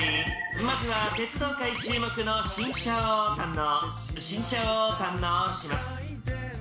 まずは鉄道界注目の新車を堪能新車を堪能します。